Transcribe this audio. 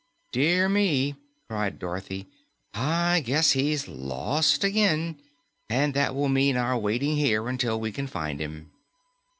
"Dear me!" cried Dorothy. "I guess he's lost again, and that will mean our waiting here until we can find him."